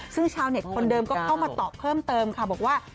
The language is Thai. ซึ่งชาวเน็ตคนเดิมก็เข้ามาตอบเพิ่มเติมค่ะบอกว่า